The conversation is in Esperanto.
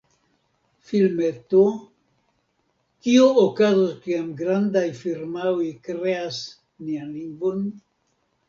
Filmeto: 'Kio okazos kiam grandaj firmaoj kreas nian lingvon?